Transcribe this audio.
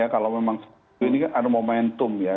kalau memang ini kan ada momentum ya